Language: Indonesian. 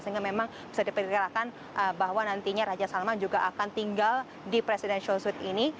sehingga memang bisa diperkirakan bahwa nantinya raja salman juga akan tinggal di presidential suite ini